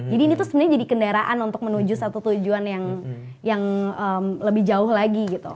jadi ini tuh sebenernya jadi kendaraan untuk menuju satu tujuan yang lebih jauh lagi gitu